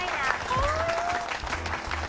かわいい！